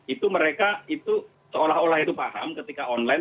itu mereka itu seolah olah itu paham ketika online